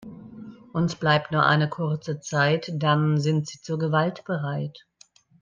Uns bleibt nur eine kurze Zeit, dann sind sie zur Gewalt bereit.